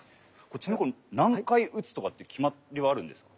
ちなみにこれ何回打つとかって決まりはあるんですか？